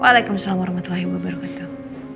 waalaikumsalam warahmatullahi wabarakatuh